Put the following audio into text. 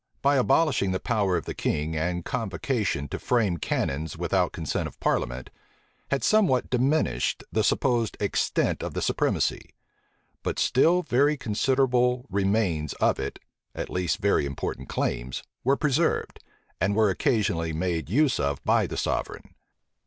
by abolishing the power of the king and convocation to frame canons without consent of parliament, had somewhat diminished the supposed extent of the supremacy; but still very considerable remains of it, at least very important claims, were preserved, and were occasionally made use of by the sovereign.